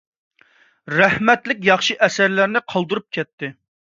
رەھمەتلىك ياخشى ئەسەرلەرنى قالدۇرۇپ كەتتى.